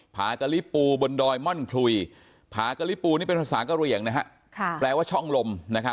ผากะลิปูบนดอยม่อนคลุยผากะลิปูนี่เป็นภาษากะเหลี่ยงแปลว่าช่องลม